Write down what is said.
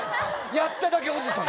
やっただけおじさん。